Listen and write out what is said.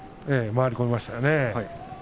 回り込みましたね。